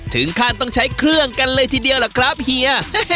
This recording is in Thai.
ถึงขั้นต้องใช้เครื่องกันเลยทีเดียวล่ะครับเฮีย